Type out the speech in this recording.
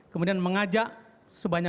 kemudian mengajak sebanyak banyak